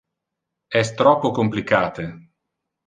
Es troppo complicate.